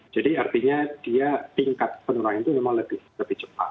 jadi artinya dia tingkat penurunan itu memang lebih cepat